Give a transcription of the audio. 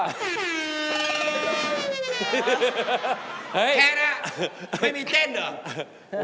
แค่นั้นไม่มีเต้นเหรอ